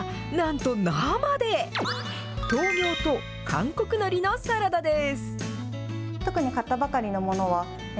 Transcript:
とうみょうと韓国のりのサラダです。